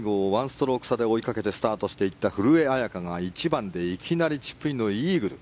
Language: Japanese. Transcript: １ストローク差で追いかけてスタートしていった古江彩佳が１番でいきなりチップインのイーグル。